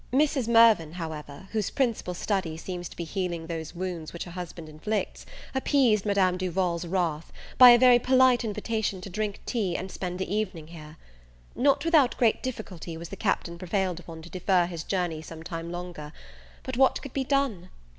Mrs. Mirvan, however, whose principal study seems to be healing those wounds which her husband inflicts, appeased Madame Duval's wrath, by a very polite invitation to drink tea and spend the evening here. Not without great difficulty was the Captain prevailed upon to defer his journey some time longer; but what could be done?